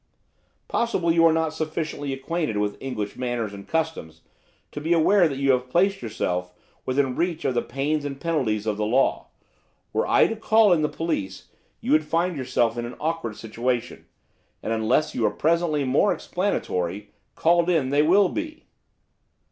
'Possibly you are not sufficiently acquainted with English manners and customs to be aware that you have placed yourself within reach of the pains and penalties of the law. Were I to call in the police you would find yourself in an awkward situation, and, unless you are presently more explanatory, called in they will be.